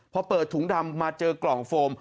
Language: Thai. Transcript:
พอเปิดถุงดำมาเจอกล่องโฟม